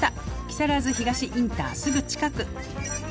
「木更津東インターすぐ近く」